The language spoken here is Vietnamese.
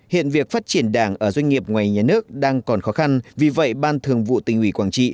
hiện việc phát triển đảng ở doanh nghiệp ngoài nhà nước đang còn khó khăn vì vậy ban thường vụ tỉnh ủy quảng trị